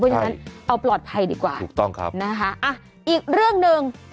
อย่างนั้นเอาปลอดภัยดีกว่าถูกต้องครับนะคะอ่ะอีกเรื่องหนึ่ง